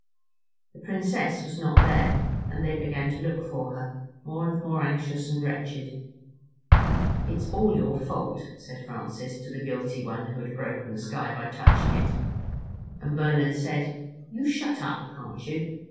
The Princess was not there, and they began to look for her, more and more anxious and wretched. "It's all your fault," said Francis to the guilty one who had broken the sky by touching it; and Bernard said, "You shut up, can't you?"